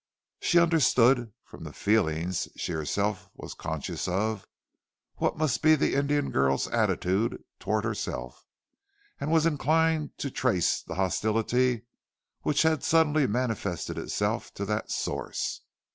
She understood, from the feelings she herself was conscious of, what must be the Indian girl's attitude towards herself, and was inclined to trace the hostility which had suddenly manifested itself to that source.